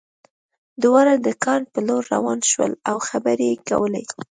دواړه د کان په لور روان شول او خبرې یې کولې